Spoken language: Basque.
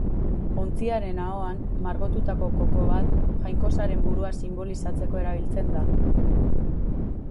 Ontziaren ahoan, margotutako koko bat, jainkosaren burua sinbolizatzeko erabiltzen da.